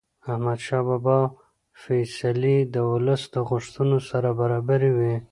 احمدشاه بابا فیصلې د ولس د غوښتنو سره برابرې وې.